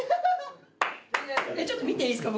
ちょっと見ていいですか？